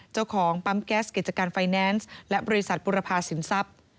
เจ้าของปั๊มแก๊สกิจการไฟแนนซ์และบริษัทบุรพาสินทรัพย์